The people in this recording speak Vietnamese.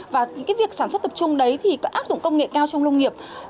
và những việc sản xuất tập trung đấy áp dụng công nghệ cao trong lông nghiệp